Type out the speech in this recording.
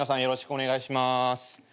よろしくお願いします。